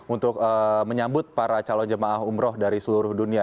untuk menyambut para calon jemaah umroh dari seluruh dunia